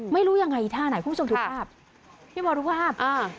ไม่รู้ยังไงท่าไหนคุณผู้ชมดูภาพพี่มอลุภาพอ่า